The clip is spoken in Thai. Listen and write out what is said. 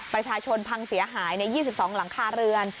ประชาชนพังเสียหาย๒๒หลังคาเรือน